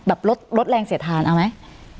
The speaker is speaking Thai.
แบบลดแรงเสียทานเอาไหม